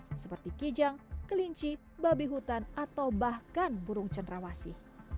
seperti kijang kelinci babi hutan atau bahkan burung cenrawasi